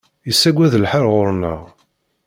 Yessagad lḥal ɣur-neɣ.